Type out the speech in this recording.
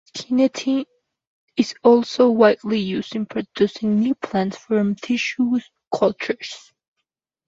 Kinetin is also widely used in producing new plants from tissue cultures.